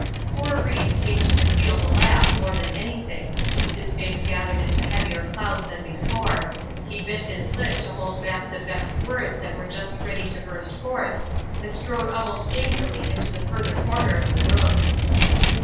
Poor Ried seemed to feel the laugh more than anything; his face gathered into heavier clouds than before, he bit his lip to hold back the vexed words that were just ready to burst forth, and strode almost angrily to the further corner of the room.